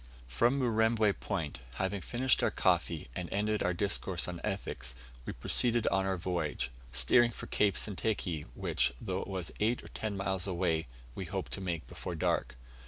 From Murembwe Point, having finished our coffee and ended our discourse on ethics, we proceeded on our voyage, steering for Cape Sentakeyi, which, though it was eight or ten miles away, we hoped to make before dark.